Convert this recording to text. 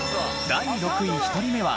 第６位２人目は。